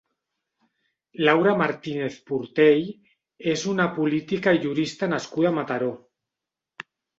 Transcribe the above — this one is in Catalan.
Laura Martínez Portell és una política i jurista nascuda a Mataró.